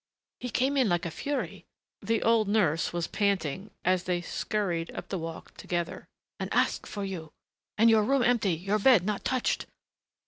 "He came in like a fury," the old nurse was panting, as they scurried up the walk together, "and asked for you ... and your room empty, your bed not touched!...